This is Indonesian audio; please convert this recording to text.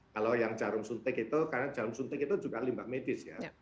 kalau yang jarum suntik itu karena jarum suntik itu juga limbah medis ya